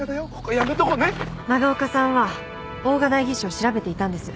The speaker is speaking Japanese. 長岡さんは大賀代議士を調べていたんです。